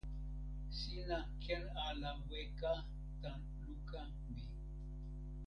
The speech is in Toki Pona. sina ken ala weka tan luka mi.